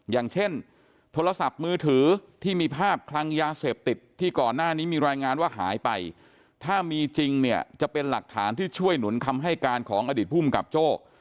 อย่างเช่นโทรศัพท์มือถือที่มีภาพคลังยาเสพติดที่ก่อนหน้านี้มีรายงานว่าหายไปถ้ามีจริงเนี่ยจะเป็นหลักฐานที่ช่วยหนุนคำให้การของอดีตภูมิกับโจ้